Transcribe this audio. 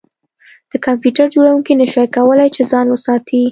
د کمپیوټر جوړونکي نشوای کولی چې ځان وساتي